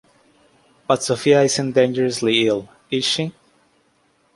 But Sophia isn't dangerously ill, is she?